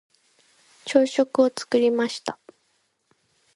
朝食を作りました。